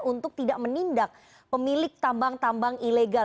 untuk tidak menindak pemilik tambang tambang ilegal